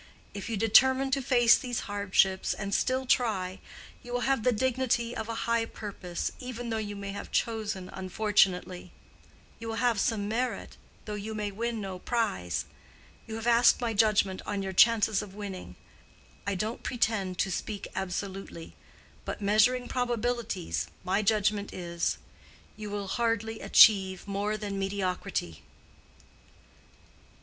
If you determine to face these hardships and still try, you will have the dignity of a high purpose, even though you may have chosen unfortunately. You will have some merit, though you may win no prize. You have asked my judgment on your chances of winning. I don't pretend to speak absolutely; but measuring probabilities, my judgment is:—you will hardly achieve more than mediocrity."